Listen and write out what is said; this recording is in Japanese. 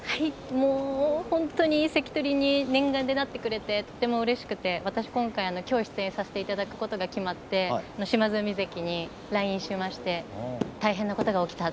もう、本当に関取に、念願でなってくれてとてもうれしくてきょう出演させてもらうことが決まって島津海関にＬＩＮＥしまして大変なことが起きた。